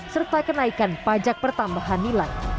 serta kenaikan pajak pertambahan nilai